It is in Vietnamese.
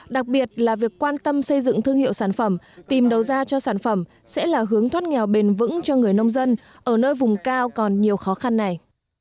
đặc biệt là việc quan tâm xây dựng thương hiệu sản phẩm tìm đầu ra cho sản phẩm sẽ là hướng thoát nghèo bền vững cho người nông dân ở nơi vùng cao còn nhiều khó khăn này